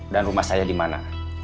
dan rumah saya dimana